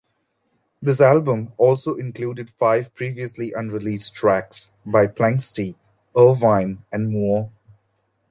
This album also included five previously unreleased tracks by Planxty, Irvine and Moore.